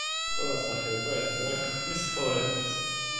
ყველა სახეობა ეწევა ღამის ცხოვრებას.